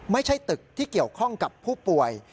ไม่ใช่ตึกที่เกี่ยวข้องกับผู้ป่วย